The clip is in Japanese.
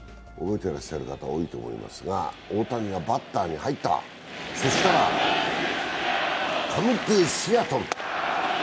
てらっしゃる方多いと思いますが、大谷が打席に入ったそしたらカム・トゥ・シアトル！